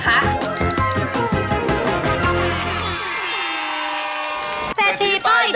แฟนรายการเศรษฐีป้ายแดง